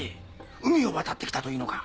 海を渡ってきたというのか？